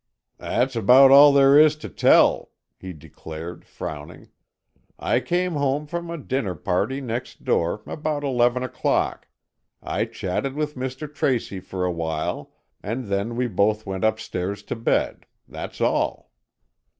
"That's about all there is to tell," he declared, frowning. "I came home from a dinner party next door, about eleven o'clock. I chatted with Mr. Tracy for a while and then we both went upstairs to bed. That's all."